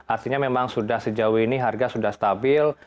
artinya memang sudah sejauh ini harga sudah stabil